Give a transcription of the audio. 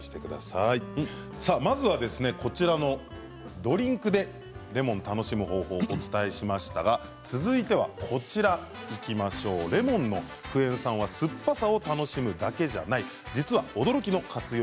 まずはドリンクでレモンを楽しむ方法をお伝えしましたが、続いてはレモンのクエン酸の酸っぱさを楽しむだけじゃない実は驚きの活用